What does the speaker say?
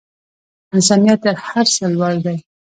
انسانیت تر هر څه لوړ دی.